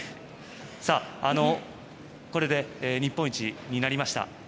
これで日本一になりました。